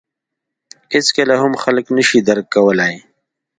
• هېڅکله هم خلک نهشي درک کولای.